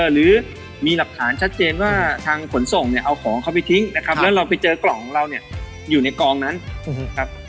หรือมีหลักฐานชัดเจนว่าทางขนส่งเนี่ยเอาของเขาไปทิ้งนะครับแล้วเราไปเจอกล่องของเราเนี่ยอยู่ในกองนั้นครับ